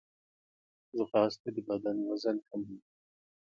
ځغاسته د بدن وزن کموي